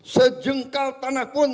sejengkal tanah pun